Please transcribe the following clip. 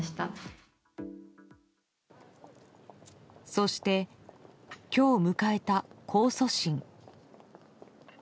そして、今日迎えた控訴審。